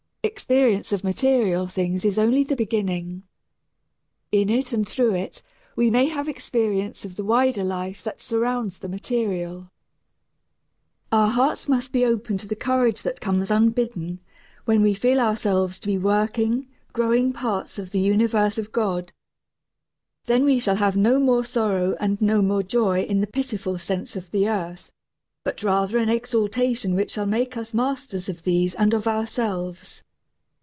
Experience of material things is only the beginning. In it and through it we may have experience of the wider life that surrounds the material. Our hearts must be opened to the courage that comes unbidden when we feel ourselves to be working, growing parts of the universe of God. Then we shall have no more sorrow and no more joy in the pitiful sense of the earth, but rather an exaltation which shall make us masters of these and of ourselves.